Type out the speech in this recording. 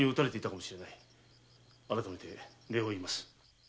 改めて礼を言います。